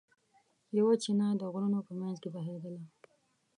یوه چینه د غرونو په منځ کې بهېدله.